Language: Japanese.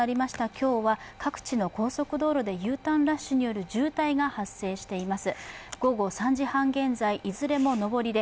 今日は各地の高速道路でＵターンラッシュによる渋滞が発生しています。